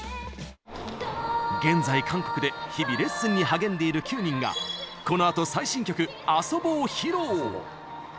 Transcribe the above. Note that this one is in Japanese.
現在、韓国で日々レッスンに励んでいる９人がこのあと最新曲「ＡＳＯＢＯ」を披露。